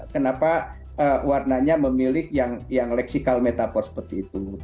kenapa warnanya memiliki yang leksikal metafor seperti itu